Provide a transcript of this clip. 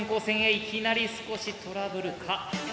いきなり少しトラブルか？